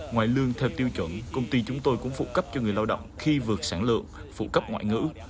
ngoài lương theo tiêu chuẩn công ty chúng tôi cũng phụ cấp cho người lao động khi vượt sản lượng phụ cấp ngoại ngữ